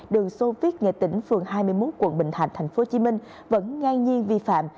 đường sô viết nghệ tỉnh phường hai mươi một quận bình thạnh tp hcm vẫn ngang nhiên vi phạm